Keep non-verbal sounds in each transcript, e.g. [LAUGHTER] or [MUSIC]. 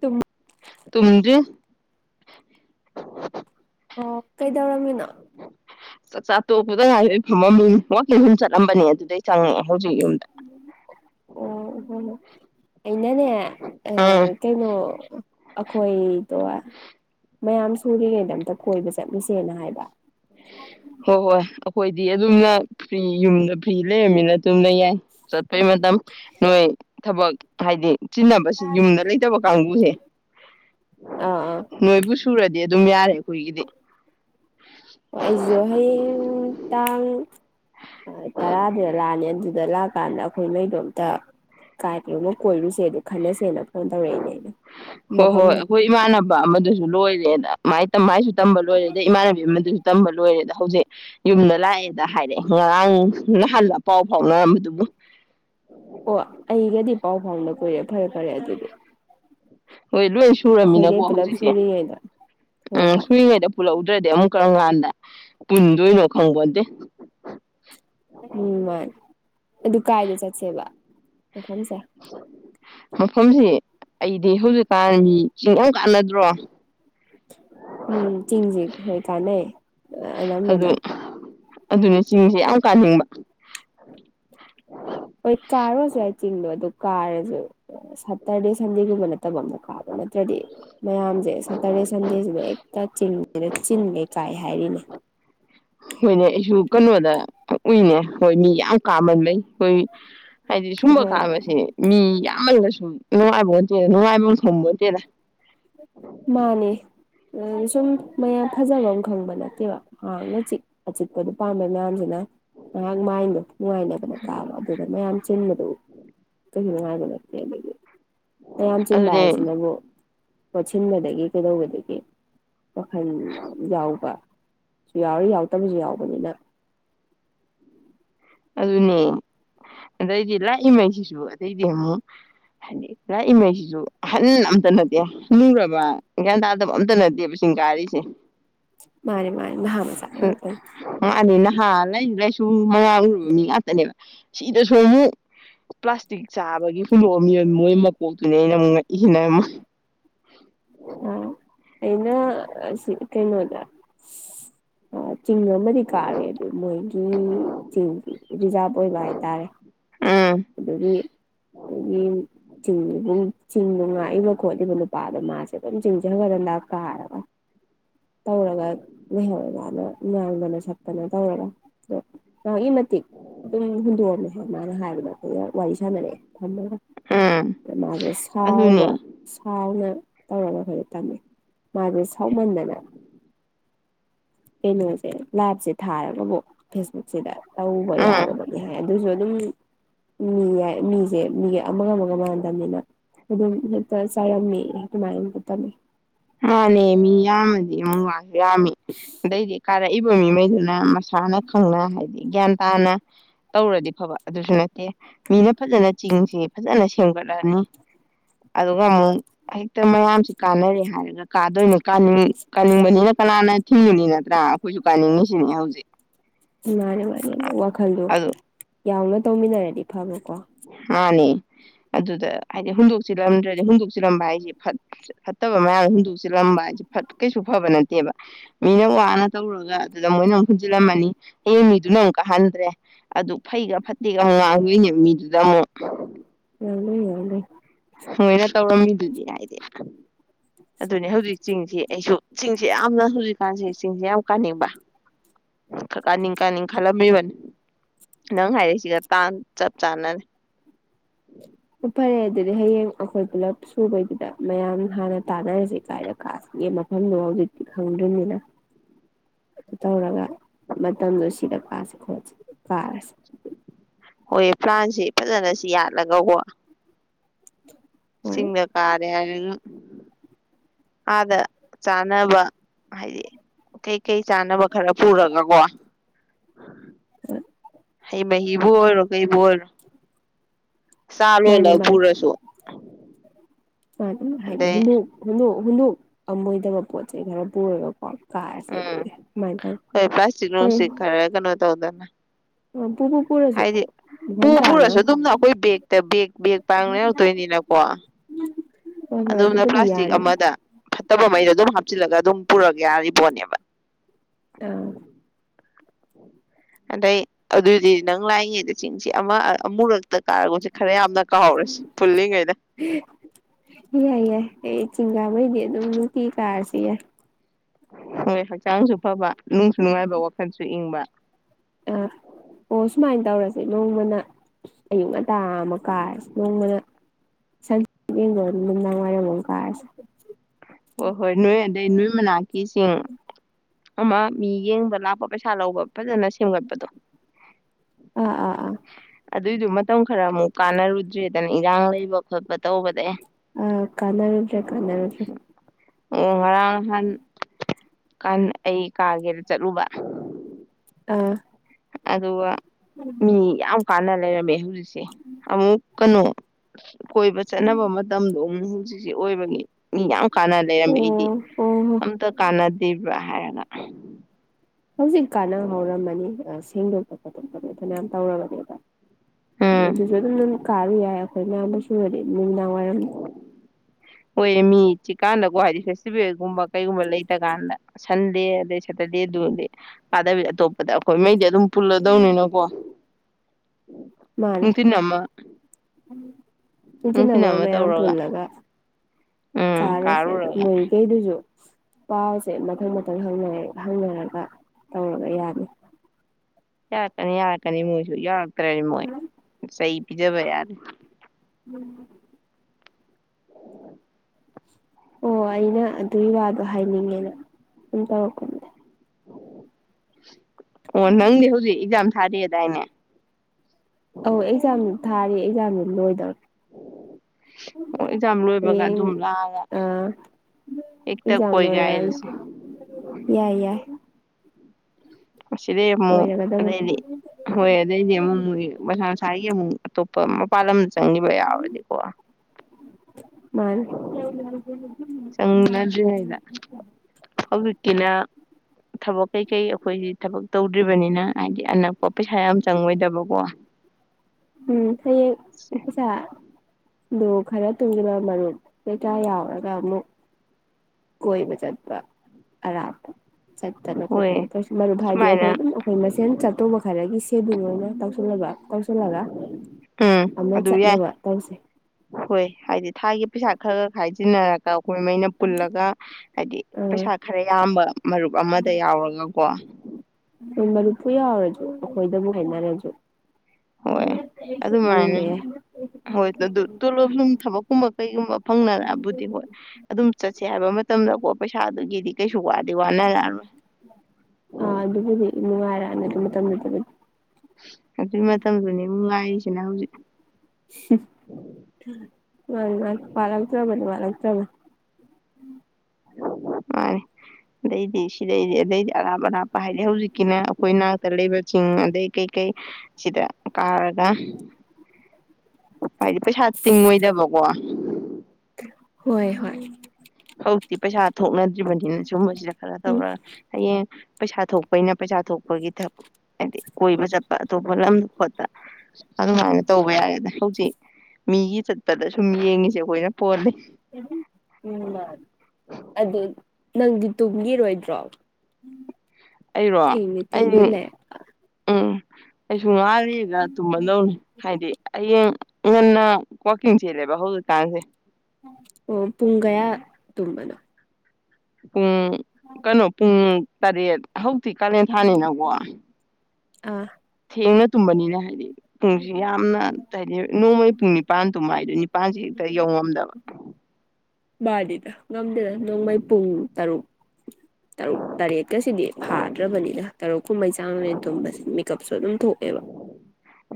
ꯇꯨꯝ ꯇꯖꯦ ꯑꯣ ꯀ ꯀꯩ ꯇꯧꯔꯝꯃꯤꯅꯣ ꯆꯥꯛ ꯆꯆꯥ ꯇꯣꯛꯄꯗ ꯉꯥꯏꯍꯣꯏ ꯐꯝꯃꯝꯃꯤꯡ ꯋꯥꯈꯩ ꯑꯗꯨꯨꯝ ꯆꯠꯂꯝꯕꯅꯤ ꯑꯗꯨꯗꯩ ꯆꯪꯉꯛꯑꯦ ꯍꯧꯖꯤꯛ ꯌꯨꯝꯗ ꯑꯣ ꯍꯣ ꯑꯩꯅꯅꯦ ꯑꯥ ꯀꯩꯅꯣ ꯑꯩꯈꯣꯏꯗꯣ ꯃꯌꯥꯝ ꯁꯨꯔꯤꯉꯩꯗ ꯑꯝꯇ ꯀꯣꯏꯕ ꯆꯠꯂꯤꯁꯦꯅ ꯍꯥꯏꯕ ꯍ ꯍꯣꯏ ꯍꯣꯏꯗꯤ ꯑꯗꯨꯝꯅ ꯐ꯭ꯔꯤ ꯌꯨꯝꯗ ꯐ꯭ꯔꯤ ꯂꯩꯔꯃꯤꯅ ꯑꯗꯨꯨꯝꯅ ꯌꯥꯏ ꯆꯠꯄꯩ ꯃꯇꯝ ꯅꯣꯏ ꯊꯕꯛ ꯍꯥꯏꯗꯤ ꯆꯤꯟꯅꯕꯕꯁꯤ ꯌꯨꯝꯗ ꯂꯩꯇꯕ ꯀꯥꯡꯕꯨꯁꯦ ꯑꯥ ꯑꯥ ꯑꯣ ꯅꯣꯏꯕꯨ ꯁꯨꯔꯗꯤ ꯇꯝꯃꯤ ꯍꯥꯏ ꯍꯗꯤ ꯑꯣ ꯑꯩꯁꯨ ꯍꯌꯦꯡ ꯇꯥꯡ ꯇꯔꯥ ꯑꯗꯨꯦꯂꯅꯤ ꯑꯗꯨꯗ ꯂꯥꯛꯑꯀꯥꯟꯗ ꯑꯩꯈꯣꯏ ꯅꯗꯣꯝꯇ ꯀꯥꯏ ꯀꯣꯏꯔꯨꯁꯦ ꯑꯗꯨ ꯈꯂꯁ ꯌꯅ ꯐꯣꯟꯗꯕꯦ ꯂꯩꯅ ꯍꯣꯏ ꯍꯣꯏ ꯑꯩꯈꯣꯏ ꯏꯃꯥꯟꯅꯕ ꯑꯃꯗꯨꯁꯨ ꯂꯣꯏꯔꯦꯗ ꯃꯥꯥꯏ ꯇꯥꯏ ꯇꯝꯕ ꯂꯣꯏꯔꯦꯗ ꯏꯃꯥꯟꯅꯕꯤ ꯑꯃꯗꯨꯁꯨ ꯇꯝꯕ ꯂꯣꯏꯔꯦꯗ ꯍꯧꯖꯤꯛ ꯌꯨꯝꯗ ꯂꯥꯛꯑꯦꯗ ꯍꯥꯏꯔꯛꯑꯦ ꯍ ꯑ ꯍꯂ ꯄꯥꯎ ꯐꯥꯎꯅꯔꯝꯕꯗꯨꯕꯨ ꯑꯣ ꯑꯩꯒꯗꯤ ꯄꯥꯎ ꯐꯥꯎꯅ ꯀꯨꯏꯔꯦ ꯐꯔꯦ ꯐꯔꯦ ꯑꯗꯨꯗꯤ ꯍꯣꯏ ꯂꯣꯏ ꯁꯨꯔꯝꯃꯤꯅꯀꯣ ꯑꯩꯈꯣꯏꯒꯩ ꯄꯨꯂꯞ ꯍꯧꯖꯤꯛꯁꯦ ꯁꯨꯔꯤꯉꯩꯗ ꯍꯣꯏ ꯎꯝ ꯍꯣꯏ ꯁꯨꯔꯤꯉꯩꯗ ꯄꯨꯂꯛꯎꯗ꯭ꯔꯗꯤ ꯑꯃꯨꯛ ꯀꯔꯝ ꯀꯥꯟꯗ ꯄꯨꯟꯗꯣꯏꯅꯣ ꯈꯪꯕꯠꯇꯦ ꯎꯝ ꯃꯥꯅꯤ ꯑꯗꯨ ꯀꯥꯏꯗ ꯆꯠꯁꯦꯕ ꯐꯁ ꯊꯝꯁꯤ ꯑꯩꯗꯤ ꯍꯧꯖꯤꯛ ꯇꯥꯗꯤ ꯆꯤꯡꯗꯝ ꯀꯥꯟꯅꯗ꯭ꯔꯣ ꯎꯝ ꯆꯤꯡꯁꯤ ꯍꯣꯏ ꯀꯥꯟꯅꯩ ꯑꯗꯨ ꯑꯅꯝꯕꯅ ꯑꯗꯨꯅ ꯆꯤꯡꯁꯦ ꯌꯥꯝ ꯀꯥꯅꯤꯡꯕ ꯍꯣꯏ ꯀꯥꯔꯁꯨ ꯌꯥꯏ ꯆꯤꯡꯗꯣ ꯑꯗꯨ ꯀꯥꯔꯁꯨ ꯁꯇꯔꯗꯦ ꯁꯟꯗꯦꯒꯨꯝꯕ ꯅꯠꯇꯕ ꯑꯝꯇ ꯀꯥꯕ ꯅꯠꯇ꯭ꯔꯗꯤ ꯃꯌꯥꯝꯁꯦ ꯁꯇꯔꯗꯦ ꯁꯟꯗꯦꯁꯤꯗ ꯍꯦꯛꯇ ꯆꯤꯡꯁꯤꯗ ꯆꯤꯟꯒꯩ ꯀꯥꯏ ꯍꯥꯏꯔꯤꯅꯦ ꯍꯣꯏꯅꯦ ꯑꯩꯁꯨ ꯀꯩꯅꯣꯗ ꯎꯨꯏꯅꯦ ꯍꯣꯏ ꯃꯤ ꯌꯥꯝ ꯀꯥꯃꯟ ꯂꯩ ꯑꯩꯈꯣꯏ ꯍꯥꯏꯗꯤ ꯁꯨꯝꯕ ꯍꯣꯏ ꯀꯥꯟꯁꯦ ꯃꯤ ꯌꯥꯝ ꯑꯃꯟꯗ ꯁꯨꯝ ꯅꯨꯡꯉꯥꯏꯕꯠꯇꯦꯗ ꯅꯨꯡꯉꯥꯏꯕ ꯊꯕꯣꯠꯇꯦꯗ ꯃꯥꯅꯦ ꯁꯨꯝ ꯃꯌꯥꯝ ꯐꯖꯕ ꯑꯃ ꯈꯪꯕ ꯅꯠꯇꯦꯕ ꯃꯍꯥꯛꯍꯥꯛꯅꯆꯤ ꯑꯆꯤꯠꯄꯗꯨ ꯄꯥꯝꯕꯩ ꯃꯌꯥꯝꯁꯤꯅ ꯉꯥꯏꯍꯥꯛ ꯃꯥꯏꯟꯗꯣ ꯅꯨꯡꯉꯥꯏꯗꯅ ꯀꯥꯕ ꯑꯗꯨꯗ ꯃꯌꯥꯝ ꯆꯤꯟꯕꯗꯨ ꯀꯩꯒꯤꯅꯣ ꯍꯥꯏ ꯂꯩꯦ ꯃꯌꯥꯝ ꯆꯤꯟꯕ ꯑꯗꯨꯅꯦ ꯍꯥꯏꯁꯤꯅꯕꯨ ꯄ ꯁꯤꯤꯟꯕꯗꯒꯤ ꯀꯩꯗꯧꯕꯗꯒꯤꯦ ꯋꯥꯈꯜ ꯌꯥꯎꯕ ꯁꯨ ꯌꯥꯎꯔꯤ ꯌꯥꯎꯛꯇꯕꯁꯨ ꯌꯥꯎꯕꯅꯤꯅ ꯑꯗꯨꯅꯦ ꯑꯗꯩꯗꯤ ꯂꯥꯛꯏꯉꯩꯁꯤꯁꯨ ꯑꯇꯩꯗꯤ ꯑꯃꯨꯛ ꯍꯥꯏꯗꯤ ꯂꯥꯛꯏꯉꯩꯁꯤꯁꯨ ꯑꯍꯟ ꯑꯝꯇ ꯅꯠꯇꯦ ꯂꯨꯔꯕ ꯒ꯭ꯌꯥꯟ ꯇꯥꯗꯕ ꯑꯝꯇ ꯅꯠꯇꯦꯕ ꯆꯁꯤꯡ ꯀꯥꯔꯤꯁꯦ ꯃꯥꯅꯤ ꯃꯥꯅꯤ ꯃꯖꯥ ꯍꯥꯥ ꯂꯩꯥꯏ ꯂꯩꯁꯨ ꯃꯉ ꯃꯤ ꯉꯥꯛꯇꯅꯦꯕ ꯁꯤꯗꯁꯨ ꯑꯃꯨꯛ ꯄ꯭ꯂꯥꯁꯇꯤꯛ ꯆꯥꯕꯒꯤ ꯍꯨꯟꯗꯣꯛꯑꯝꯃꯤ ꯃꯣꯏ ꯃꯀꯣꯛꯇꯨꯅꯦ ꯑꯩꯅ ꯑꯃꯨꯛ ꯉꯛꯏꯦꯅ ꯑꯥ ꯑꯩꯅ ꯀꯩꯅꯣꯗ ꯆꯤꯡ ꯑꯃꯗꯤ ꯀꯥꯔꯦ ꯑꯗꯨ ꯃꯣꯏꯒꯤ ꯆꯤꯡꯁꯤ ꯔꯤꯖꯥꯚ ꯑꯣꯏꯕ ꯍꯥꯏꯇꯥꯔꯦ ꯎꯝ ꯑꯗꯨꯗꯒꯤ ꯑꯗꯒꯤ ꯆꯤꯡ ꯆꯤꯡꯗꯣ ꯉꯥꯛꯏꯕ ꯈꯣꯠꯂꯤꯕ ꯅꯨꯄꯥꯗꯣ ꯃꯥꯁꯦ ꯆꯤꯡꯖꯥꯒꯗ ꯑ ꯀꯔ ꯇꯧꯔꯒ ꯂꯩꯍꯧꯔꯒꯗ ꯅꯗꯅꯦ ꯁꯛꯇꯄꯅꯦ ꯇꯧ ꯑ ꯏ ꯃ ꯃꯇꯦꯛ ꯑꯗꯨ ꯍꯟ ꯋꯥꯔꯂꯦ ꯃꯥꯅꯦ ꯍꯥꯏꯗ ꯋꯥꯏꯁ ꯃꯅꯦꯦ ꯊꯝꯃꯒ ꯎꯝ ꯑ ꯃꯥꯁꯦ ꯑꯗꯨꯅꯦ ꯁꯥꯎꯕ ꯁꯥꯎꯅ ꯇꯧꯔꯒ ꯑꯩꯈꯣꯏ ꯇꯝꯃꯦ ꯃꯥꯁꯦ ꯁꯥꯎꯃꯟꯗꯅ ꯀꯩꯅꯣꯁꯦ ꯂꯥꯏꯚꯁꯦ ꯊꯥꯔꯒꯕꯨ ꯐꯦꯁꯕꯨꯛꯁꯤꯗ ꯇꯧꯕ ꯎꯝ ꯌꯥꯎꯔꯕ ꯍꯥꯏ ꯑꯗꯨꯁꯨ ꯑꯗꯨꯝ ꯃꯤ ꯃꯤꯁꯦ ꯃꯤ ꯑꯃꯒ ꯑꯃꯒ ꯃꯥꯟꯗꯕꯅꯤꯅ ꯑꯗꯨꯝ ꯍꯦꯛꯇ ꯆꯥꯏꯔꯝꯃꯤ ꯑꯗꯨꯃꯥꯏꯅ ꯇꯝꯃꯦ ꯑ ꯅ ꯃꯤ ꯌꯥꯃ ꯃ ꯩꯗꯤ ꯀꯥ ꯔꯛꯏꯕ ꯃꯤꯉꯩꯗꯨꯅ ꯃꯁꯥꯅ ꯈꯪꯅ ꯍꯥꯏꯗꯤ ꯒ꯭ꯌꯥꯟ ꯇꯥꯅ ꯇꯧꯔꯗꯤ ꯐꯕ ꯑꯗꯨꯁꯨ ꯅꯠꯇꯦ ꯃꯤꯅ ꯐꯖꯅ ꯆꯤꯡꯁꯤ ꯐꯖꯅ ꯁꯦꯝꯒꯠꯂꯛꯅꯤ ꯑꯗꯨꯒ ꯑꯃꯨꯛ ꯍꯦꯛꯇ ꯃꯌꯥꯝꯁꯤ ꯀꯥꯟꯅꯔꯦ ꯍꯥꯏꯔ ꯌꯥꯝ ꯀꯥꯗꯣꯏꯅ ꯀꯥꯅꯤꯡ ꯀꯥꯅꯤꯡꯕꯅꯤꯅ ꯀꯅꯥꯅ ꯊꯤꯡꯉꯤꯅꯤ ꯅꯠꯇ꯭ꯔꯥ ꯑꯩꯈꯣꯏꯁꯨ ꯀꯥꯅꯤꯡꯉꯤꯁꯤꯅꯤ ꯍꯧꯖꯤꯛ ꯃꯥꯅꯦ ꯃꯥꯅꯤ ꯋꯥꯈꯟꯗ ꯑꯗꯨ ꯌꯥꯎꯅ ꯇꯧꯃꯤꯟꯅꯔꯗꯤ ꯐꯕꯀꯣ ꯅꯦ ꯑꯗꯨꯗ ꯍꯥꯏꯗꯤ ꯍꯨꯟꯗꯣꯛꯆꯜꯂꯝꯗ꯭ꯔꯗꯤ ꯍꯨꯟꯗꯣꯛꯆꯤꯜꯂꯝꯕ ꯍꯥꯏꯁꯦ ꯐꯠꯇꯕ ꯃꯌꯥꯝ ꯍꯨꯟꯗꯣꯛꯆꯤꯜꯂꯝꯕ ꯍꯥꯏꯁꯦ ꯀꯩꯁꯨ ꯐꯕ ꯅꯠꯇꯦꯕ ꯃꯤꯅ ꯋꯥꯅ ꯇꯧꯔꯒ ꯑꯗꯨꯗ ꯃꯣꯏꯅ ꯑꯃꯨꯛ ꯍꯨꯟꯖꯤꯜꯂꯝꯃꯅꯤ ꯍꯌꯦꯡ ꯃꯤꯗꯨꯅ ꯑꯃꯨꯛ ꯀꯥꯍꯟꯗ꯭ꯔꯦ ꯑꯗꯨ ꯐꯩꯒ ꯐꯠꯇꯦꯒꯨꯛ ꯉꯥꯡꯗꯣꯏꯅꯦꯕ ꯃꯤꯗꯨ ꯗꯃ ꯆꯂꯦ ꯌꯥꯂꯦ ꯃꯣꯏꯅ ꯇꯧꯔꯝꯃꯤꯗꯨꯗꯤ ꯍꯥꯏꯗꯤꯦ ꯑꯗꯨꯅꯦ ꯍꯧꯖꯤꯛ ꯆꯤꯡꯁꯤ ꯑꯩꯁꯨ ꯆꯤꯡ ꯁꯤ ꯌꯥꯝꯅ ꯍꯧꯖꯤꯛꯀꯥꯟꯁꯤꯦ ꯆꯁꯤꯡꯁꯤ ꯌꯥꯝ ꯀꯥꯅꯤꯡꯕ ꯀꯥꯅꯤꯡ ꯀꯥꯅꯤꯡ ꯈꯜꯂꯝꯃꯤꯕꯅꯤ ꯅꯪ ꯍꯥꯏꯔꯤꯛꯁꯤꯒ ꯇꯥꯟ ꯆꯞ ꯆꯥꯅꯅꯤ ꯑꯣ ꯐꯔꯦ ꯑꯗꯨꯗꯤ ꯍꯌꯦꯡ ꯑꯩꯈꯣꯏ ꯄꯨꯂꯞ ꯁꯨꯕꯩꯗꯨꯗ ꯃꯌꯥꯝ ꯍꯥꯟꯅ ꯇꯥꯟꯅꯔꯁꯤ ꯀꯥꯏꯗ ꯀꯥꯁꯤꯒꯦ ꯃꯐꯝꯗꯣ ꯍꯧꯖꯤꯛꯇꯤ ꯈꯪꯗ꯭ꯔꯤꯅꯤꯅ ꯇꯧꯔꯒ ꯃꯇꯝꯗꯣ ꯁꯤꯗ ꯀꯥꯁꯤ ꯈꯣꯠꯁꯤ ꯀꯥꯔꯁꯤ ꯍꯣꯏ ꯄ꯭ꯂꯥꯟꯁꯦ ꯐꯖꯅ ꯁꯤ ꯌꯥꯠꯂꯒꯀꯣ ꯍꯣꯏ ꯁꯤꯁꯤꯡꯒ ꯀꯥꯔ ꯑꯩ ꯍꯥꯏ ꯑꯥꯗ ꯆꯥꯅꯕ ꯍꯥꯏꯗꯤ ꯀꯩꯀꯩ ꯆꯥꯅꯕ ꯈꯔ ꯄꯨꯔꯒꯀꯣ ꯍꯩ ꯃꯍꯕꯨ ꯑꯣꯏꯔꯣ ꯀꯨ ꯑꯣꯏꯔꯣ ꯆꯥ ꯃꯥꯅꯤ ꯂꯣꯜꯂꯒ ꯃꯥꯅꯤ ꯄꯨꯔꯁꯨ ꯃꯥꯅꯤ ꯃꯥ ꯍꯥꯏ ꯑꯗꯩ ꯍ ꯍ ꯍ ꯑꯃꯝꯃꯣꯏꯗꯕ ꯄꯣꯠ ꯆꯩꯩ ꯈꯔ ꯄꯨꯔꯒꯀꯣ ꯀꯥꯔꯁꯦ ꯎꯝ ꯑꯗꯨꯗꯤ ꯑꯗꯨꯃꯥꯏꯅ ꯍꯣꯏ ꯄ꯭ꯂꯥꯁꯤ ꯁꯤꯔꯒꯅ ꯇꯧꯗꯅ ꯎꯝ ꯍꯥꯏꯗꯤ ꯄꯨ ꯄꯨꯔꯁꯨ ꯑꯗꯨꯝꯅ ꯑꯩꯈꯣꯏ ꯕꯦꯛꯇ ꯕꯦꯒ ꯕꯦꯒ ꯇꯥꯡꯅꯔꯛꯇꯣꯏꯅꯤꯅꯀꯣ ꯍꯣꯏ ꯍꯣꯏ ꯑꯗꯨꯝꯅ ꯑꯗꯨꯕꯨꯗꯤ ꯄ꯭ꯂꯥꯁꯇꯤꯛ ꯌꯥꯅꯤ ꯑꯃꯗ ꯐꯠꯇꯕꯉꯩꯗ ꯑꯗꯨꯝ ꯍꯥꯞꯆꯤꯜꯂꯒ ꯑꯗꯨꯝ ꯄꯨꯔꯒꯦ ꯍꯥꯏꯔꯤꯕꯅꯦꯕ ꯑ ꯑꯗꯩ ꯑꯗꯨꯗꯤ ꯅꯪ ꯂꯥꯏꯉꯩꯗ ꯆꯤꯡꯁꯤ ꯑꯃ ꯑꯃꯨꯔꯛꯇ ꯀꯥꯔꯒꯣꯁ ꯈꯔ ꯌꯥꯝꯅ ꯀꯥꯎꯍꯧꯔꯁꯤ ꯄꯨꯜꯂꯤꯉꯩꯗ ꯌꯥꯏ ꯌꯥꯏ ꯑꯩ ꯆꯤꯡꯒꯥ ꯃꯩꯗ ꯑꯗꯨ ꯑ ꯀ ꯀꯥꯔꯁꯤ ꯌꯥꯔ ꯍꯣꯏ ꯍꯣꯏ ꯆꯥꯡꯁꯨ ꯄꯕ ꯅꯨꯡꯁꯨ ꯅꯨꯡꯉꯥꯏꯕ ꯋꯥꯈꯜꯁꯨ ꯏꯪꯕ ꯑ ꯑꯣ ꯁꯨꯃꯥꯏꯅ ꯇꯧꯔꯁꯦ ꯅꯣꯡꯃꯅ ꯑꯌꯨꯛ ꯉꯟꯇꯥ ꯑꯃ ꯀꯥꯔꯁ ꯅꯣꯡꯃꯅ ꯁꯟ ꯌꯦꯡ ꯅꯨꯃꯤꯗꯥꯡ ꯋꯥꯏꯔꯝꯣꯝ ꯀꯥꯔꯁꯦ ꯍ ꯍꯣꯏ ꯅꯦ ꯂꯩ ꯅꯨꯨꯏ ꯃꯅꯥꯀꯤꯁꯤꯡ ꯑꯃ ꯃꯤ ꯌꯦꯡꯕ ꯂꯥꯛꯄ ꯄꯩꯁꯥ ꯂꯧꯕ ꯐꯖꯅ ꯁꯦꯝꯒꯠꯄꯗꯣ ꯑꯥ ꯑꯥ ꯑꯥ ꯑꯗꯨꯏꯗꯨꯣ ꯃꯇꯝ ꯈꯔ ꯑꯃꯨꯛ ꯀꯥꯟꯅꯔꯨꯗ꯭ꯔꯦꯗꯅ ꯏꯔꯥꯡ ꯂꯩꯕ ꯈꯣꯠꯄ ꯇꯧꯕꯗ ꯑꯦ ꯑ ꯀꯥꯟꯅꯔꯁꯦ ꯀꯥꯟꯅꯔꯁꯦ ꯑꯣ ꯃꯔꯔꯥꯡ ꯍꯥꯟ ꯀ ꯑꯩ ꯀꯥꯒꯦꯗ ꯆꯠꯂꯨꯕ ꯑꯥ ꯑꯗ ꯋꯥ ꯃꯤ ꯌꯥꯝ ꯀꯥꯟꯅ ꯂꯩ ꯃꯦꯍ ꯑꯃꯨꯛ ꯀꯩꯅꯣ ꯀꯣꯏꯕ ꯆꯠꯅꯕ ꯃꯇꯝꯗꯣ ꯑꯃꯨꯛ ꯍꯧꯖꯤꯛ ꯁꯤ ꯑꯣꯏꯕꯅꯤ ꯃꯤ ꯌꯥꯝ ꯀꯥꯟꯅ ꯂꯩꯔꯝꯃꯦ ꯑꯩꯗꯤ ꯑꯣ ꯑꯣ ꯑꯝꯇ ꯀꯥꯟꯅꯗꯔꯤꯕ꯭ꯔꯥ ꯍꯥꯏꯔ ꯑ ꯍꯧꯖꯤꯛ ꯀꯥꯟꯅ ꯍꯧꯧꯔꯝꯃꯅꯤ ꯁꯦꯡꯗꯣꯛꯄ ꯎꯝ ꯇꯧꯔꯦꯗ ꯅ ꯀꯥ ꯌꯥ ꯑꯩꯈꯣꯏ ꯃꯌꯥꯝꯕꯁꯨꯨꯔꯔꯗꯤ ꯅꯨꯡꯗꯥꯡ ꯋꯥꯏꯔꯝ ꯑꯣꯏ ꯃꯤ ꯆꯤꯛꯀꯥꯟꯗꯀꯣ ꯍꯥꯏꯗꯤ ꯐꯦꯁꯇꯤꯚꯦꯜꯒꯨꯝꯕ ꯀꯩꯒꯨꯝꯕ ꯂꯩꯇ ꯀꯥꯟꯗ ꯁꯟꯗꯦ ꯑꯗꯩ ꯁꯦꯇꯔꯗꯦ ꯑꯗꯨꯗꯤ ꯀꯥꯗꯕꯤꯗ ꯑꯇꯣꯞꯄꯗ ꯑꯩꯈꯣꯏꯉꯩꯗꯤ ꯑꯗꯨꯝ ꯄꯨꯜꯂꯗꯧꯅꯤꯅꯀꯣ ꯃꯥꯅꯦ ꯇꯤꯟ ꯌꯥꯝꯝꯕ ꯏꯆꯤꯟ ꯏꯅꯥꯃ ꯃꯌꯥꯝ ꯄꯨꯜꯂꯒ ꯎꯝ ꯀꯥꯔꯁꯦ ꯑꯗꯨ ꯀꯥꯔꯨꯔꯒ ꯃꯣꯏꯈꯩꯗꯨꯁꯨ ꯄꯥꯎ ꯦ ꯃꯊꯪ ꯃꯊꯪ ꯍꯪꯅꯔꯦ ꯍꯪꯅꯔꯒ ꯇꯧꯔꯒ ꯌꯥꯅꯤ ꯌꯥꯀꯅꯤ ꯌꯥ ꯀꯅꯤ ꯃꯣꯏꯁꯨ ꯌꯥꯅꯤ ꯔꯤꯃꯣꯏ ꯁꯩ ꯏꯖꯕ ꯌꯥꯔ ꯎꯝ ꯑꯣ ꯑꯩꯅ ꯑꯗꯨꯒꯤ ꯋꯥꯗꯣ ꯍꯥꯏꯅꯤꯡꯉꯦꯅ ꯁꯨꯝ ꯇꯧꯔꯛꯄꯅꯦ ꯑꯣ ꯑꯣ ꯅꯪꯦ ꯍꯧꯖꯤꯔꯤꯒ ꯊꯗꯤꯗꯏꯅꯦ ꯑꯧ ꯑꯦꯛꯖꯥꯝ ꯊꯥꯔꯤ ꯑꯦꯛꯖꯥꯝꯗꯨ ꯂꯣꯏꯗꯧꯔ ꯑꯣ ꯑꯦꯛꯖꯥꯝ ꯂꯣꯏꯕꯒ ꯍꯌꯦꯡ ꯑꯗꯨꯝ ꯂꯥꯛꯑꯒ ꯑꯦꯛꯖꯥꯝ ꯍꯦꯛꯇ ꯀꯣꯏꯒꯦ ꯂꯣꯏꯔ ꯍꯥꯏꯔꯁꯦ ꯌꯥꯏ ꯌꯥꯏ ꯑꯁꯤꯗꯩ ꯑꯃꯨꯛ ꯀꯣꯏꯔꯒꯗꯕꯅꯤ ꯑꯗꯩꯗꯤ ꯍꯣꯏ ꯑꯗꯩꯗꯤ ꯑꯃꯨꯛ ꯃꯣꯏ ꯃꯁꯥ ꯃꯁꯥꯒꯤ ꯑꯃꯨꯛ ꯇꯞ ꯄꯥꯝ ꯆꯤꯕ ꯌꯥꯋꯥꯗꯤꯀꯣ ꯃꯥ ꯆꯪꯅꯗ꯭ꯔꯤꯉꯩꯗ ꯍꯧꯖꯤꯛꯀꯤꯅ ꯊꯕꯛ ꯀꯩꯀꯩ ꯑꯩꯈꯣꯏꯁꯤ ꯊꯕꯛ ꯇꯧꯗ꯭ꯔꯤꯕꯅꯤꯅ ꯍꯥꯏꯕꯗꯤ ꯑꯅꯛꯄ ꯄꯩꯁꯥ ꯌꯥꯝ ꯆꯪꯉꯣꯏꯗꯕꯀꯣ ꯎꯝ ꯐ ꯀꯁ ꯂꯣ ꯈꯔ ꯇꯨꯡꯕ ꯃꯔꯨꯨꯞ ꯀꯩꯀꯥ ꯌꯥꯎꯔꯒ ꯑꯃꯨꯛ ꯀꯣꯏꯕ ꯆꯠꯄ ꯑꯔꯥꯞꯄ ꯆꯠꯇꯅ ꯍꯣꯏ ꯈꯣꯠꯇꯅ ꯃꯔꯨꯞ ꯍꯥꯏꯗꯤ ꯁꯨꯃꯥꯏꯅ ꯑꯩꯈꯣꯏ ꯑꯗꯨꯝ ꯑꯩꯈꯣꯏ ꯃꯁꯦꯟ ꯆꯠꯇꯣꯛ ꯃꯈꯥꯏꯗꯒꯤ ꯁꯦꯗꯨ ꯑꯣꯏꯅ ꯇꯧꯁꯤꯜꯂꯒ ꯇꯧꯁꯤꯜꯂꯒ ꯎꯝ ꯑꯃ ꯑꯗꯨ ꯌꯥꯏ ꯆꯠꯅꯕ ꯇꯧꯁꯦ ꯍꯣꯏ ꯍꯥꯏꯗ ꯊꯥꯒꯤ ꯄꯩꯁꯥ ꯈꯔ ꯈꯔ ꯈꯥꯏꯁꯦ ꯁꯤꯅꯀꯥꯎ ꯑꯩꯈꯣꯏꯃꯩꯅ ꯄꯨꯜꯂꯒ ꯍꯥꯏꯗꯤ ꯑꯥ ꯄꯩꯁꯥ ꯈꯔ ꯌꯥꯝꯕ ꯃꯔꯨꯞ ꯑꯃꯗ ꯌꯥꯎꯔꯒꯀꯣ ꯍꯣꯏ ꯃꯔꯨꯞꯄꯨ ꯌꯥꯎꯔꯁꯨ ꯑꯩꯈꯣꯏꯗꯕꯨ ꯍꯥꯏꯅꯔꯁꯨ ꯍꯣꯏ ꯑꯗꯨꯃꯥꯏꯅ ꯌꯦꯡꯕ ꯌꯥꯏ ꯍꯣꯏꯣꯂꯣ ꯁꯨꯝ ꯊꯕꯛ ꯀꯨꯝꯕ ꯀꯩꯒꯨꯝꯕ ꯐꯪꯅꯔꯕꯨꯗꯤ ꯍꯣꯏ ꯑꯗꯨꯝ ꯆꯠꯁꯦ ꯍꯥꯏꯕ ꯃꯇꯝꯗꯀꯣ ꯄꯩꯁꯥꯗꯨꯒꯤꯗꯤ ꯀꯩꯁꯨ ꯋꯥꯗꯤ ꯋꯥꯅꯔꯛꯑꯔꯣꯏ ꯑ ꯑꯗꯨꯕꯨꯗꯤ ꯅꯨꯡꯉꯥꯏꯔꯅ ꯇꯝꯃꯤꯇꯗꯤ ꯑꯗꯨ ꯃꯝꯣꯅꯤꯁ ꯏꯩꯅ ꯍꯧꯖꯤ ꯎ ꯃꯥ ꯃꯥ ꯄꯔ ꯆꯕꯅꯤ ꯋꯥꯔ ꯆꯃꯦ ꯃꯥꯅꯤ ꯑꯗꯩꯗꯤ ꯁꯤꯗꯩꯗꯤ ꯑꯗꯩꯗꯤ ꯑꯔꯥꯞ ꯑꯔꯥꯞꯄ ꯍꯥꯏꯗꯤ ꯍꯧꯖꯤꯛꯀꯤꯅ ꯑꯩꯈꯣꯏꯅꯥꯛꯇ ꯂꯩꯕ ꯆꯤꯡ ꯑꯗꯩ ꯀꯩꯀꯩ ꯁꯤꯗ ꯀꯥꯔꯒ ꯍꯥꯏꯗꯤ ꯄꯩꯁꯥ ꯇꯤꯡꯉꯣꯏꯗꯕꯀꯣ [UNINTELLIGIBLE] ꯍꯣꯏ ꯍꯣꯏ ꯍꯧ ꯊꯤ ꯄꯩꯁꯥ ꯊꯣꯛꯅꯗ꯭ꯔꯤꯕꯅꯤꯅ ꯁꯨꯝꯕꯁꯤꯗ ꯈꯔ ꯎꯝ ꯇꯧꯔꯒ ꯍꯌꯦꯡ ꯄꯩꯁꯥ ꯊꯣꯛꯄꯩꯅ ꯄꯩꯁꯥ ꯊꯣꯛꯄꯒꯤ ꯊꯛ ꯍꯥꯏꯗꯤ ꯀꯣꯏꯕ ꯆꯠꯄ ꯑꯇꯣꯞꯄ ꯂꯝꯗ ꯈꯣꯠꯄ ꯑꯗꯨꯃꯥꯏꯅ ꯇꯧꯕ ꯌꯥꯏꯗ ꯍꯧꯖꯤꯛ ꯃꯤꯒꯤ ꯆ ꯇꯗ ꯁꯨꯝ ꯌꯦꯡꯉꯤꯁꯦ ꯑꯩꯈꯣꯏꯅ ꯄꯣꯟꯜꯂꯤ ꯎꯝ ꯑꯗꯨ ꯅꯪꯗꯤ ꯇꯨꯝꯒꯤꯔꯣꯏꯗ꯭ꯔꯣ ꯑꯩꯔꯣ ꯑ ꯊꯦꯡꯗꯤ ꯎꯝ ꯊꯦꯡꯖꯤꯜꯂꯛꯑꯦ ꯎ ꯑꯩꯁꯨ ꯉꯥꯜꯂꯤꯒ ꯇꯨꯝꯕꯗꯧꯅꯤ ꯍꯥꯏꯗꯤ ꯍꯌꯦꯡ ꯉꯟꯅ ꯀꯀꯤꯡ ꯆꯦꯜꯂꯦꯕ ꯍꯧꯖꯤꯛꯀꯥꯟꯁꯦ ꯑꯣ ꯄꯨꯡꯒꯌꯥ ꯇꯝꯕꯅꯣ ꯄꯨꯡ ꯀꯩꯅꯣ ꯄꯨꯡ ꯁꯔꯤ ꯍ ꯀꯂꯦꯟ ꯊꯅꯤ ꯅꯒ ꯋꯥ ꯑꯥ ꯊꯦꯡꯅ ꯇꯨꯝꯕꯅꯤꯅ ꯍꯥꯏꯗꯤ ꯄꯨꯡꯁꯤ ꯌꯥꯝꯅ ꯀꯗꯤ ꯅꯣꯡꯃꯩ ꯄꯨꯡ ꯅꯤꯄꯥꯟ ꯇꯣꯃꯥꯏꯗꯣꯏꯅꯤ ꯄꯥꯟꯁꯤꯦ ꯍꯦꯛꯇ ꯌꯧꯉꯝꯗꯕ ꯗꯗ ꯉꯝꯗꯦꯗ ꯅꯣꯡꯃꯩ ꯄꯨꯡ ꯇꯔꯨꯛ ꯇꯔꯨꯛ ꯇꯔꯦꯠ ꯀ ꯁꯤꯗꯤ ꯐꯥꯗ꯭ꯔꯕꯅꯤꯅ ꯇꯔꯨꯛ ꯀꯨꯝꯍꯩ ꯆꯥꯡꯗꯨꯅꯤ ꯇꯨꯝꯁ ꯃꯦꯀꯞꯁꯨ ꯑꯗꯨꯝ ꯊꯣꯛꯑꯦꯕ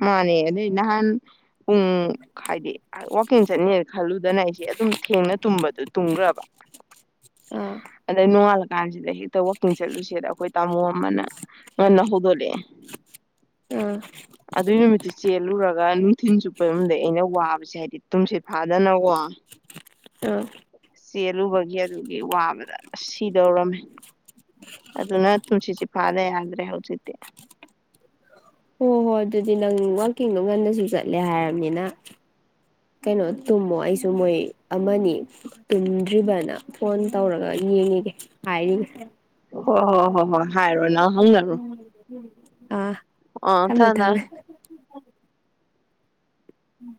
ꯃꯥꯅꯦ ꯑꯗꯩ ꯅꯍꯥꯟ ꯄꯨꯡ ꯍꯥꯏꯗꯤ ꯋꯥꯋꯥꯛꯀꯤꯡ ꯆꯠꯅꯤꯅ ꯈꯜꯂꯨꯗꯅ ꯑꯩꯁꯦ ꯑꯗꯨꯝ ꯊꯦꯡꯅ ꯇꯨꯝꯕꯗꯨꯣ ꯇꯨꯝꯈ꯭ꯔꯕ ꯑꯥ ꯀꯥꯟꯁꯤꯗ ꯍꯦꯛꯇ ꯋꯥꯋꯥꯛꯀꯤꯡ ꯆꯠꯂꯨꯁꯦꯗ ꯑꯩꯈꯣꯏ ꯇꯥꯃꯣ ꯑꯃꯅ ꯉꯟꯅ ꯍꯧꯗꯣꯛꯂꯛꯑꯦ ꯑ ꯑꯗꯨꯏ ꯅꯨꯃꯤꯠꯇꯨ ꯆꯦꯜꯂꯨꯔꯒ ꯅꯨꯡꯊꯤꯤꯟ ꯆꯨꯞꯄ ꯌꯨꯝꯗꯩ ꯑꯩꯅ ꯋꯥꯕꯁꯦ ꯍꯥꯏꯕꯗꯤ ꯇꯨꯝꯁꯦ ꯐꯥꯗꯅꯀꯣ ꯑ ꯆꯦꯜꯂꯨꯕꯒꯤ ꯑꯗꯨꯒꯤ ꯋꯥꯕꯗ ꯁꯤꯗꯧꯔꯝꯃꯦ ꯑꯗꯨꯅ ꯇꯁꯤ ꯆꯦ ꯐꯥꯗꯦ꯭ꯔꯦ ꯍꯧꯧꯁꯤꯤꯇ ꯍꯣꯏ ꯍꯣꯏ ꯑꯗꯨꯗꯤ ꯅꯪ ꯋꯥꯛꯀꯤꯡꯗꯣ ꯉꯟꯅꯁꯨ ꯆꯠꯂꯦ ꯍꯥꯏꯔꯕꯅꯤꯅ ꯀꯩꯅꯣ ꯇꯨꯝꯃꯣ ꯑꯩꯁꯨ ꯃꯣꯏ ꯑꯃꯅꯤ ꯇꯨꯝꯗ꯭ꯔꯤꯕꯅ ꯐꯣꯟ ꯇꯧꯔꯒ ꯌꯦꯡꯉꯤꯒꯦ ꯍꯥꯏꯔꯤꯉꯦ ꯍꯣꯏ ꯍꯣꯏ ꯍꯣꯏ ꯍꯣꯏ ꯍꯥꯏꯔꯣ ꯅꯪ ꯍꯪꯒꯅꯨ ꯎꯝ ꯑꯥ ꯊꯝꯃꯦ ꯊꯝꯃꯦ ꯎꯝ